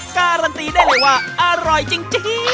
การันตีได้เลยว่าอร่อยจริง